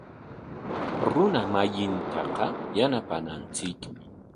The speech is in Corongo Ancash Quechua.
Runa masintaqa yanapananchikmi.